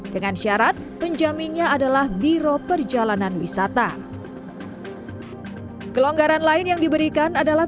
dengan syarat penjaminnya adalah biro perjalanan wisata kelonggaran lain yang diberikan adalah